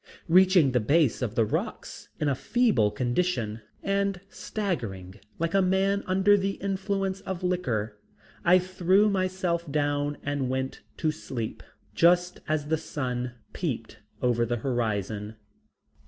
Reaching the base of the rocks in a feeble condition and staggering like a man under the influence of liquor, I threw myself down and went to sleep just as the sun peeped over the horizon.